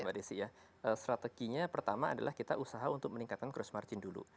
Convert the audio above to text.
sebagai strategi strategi pertama adalah kita usaha untuk meningkatkan gross margin dulu